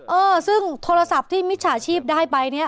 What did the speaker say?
เออซึ่งโทรศัพท์ที่มิจฉาชีพได้ไปเนี่ย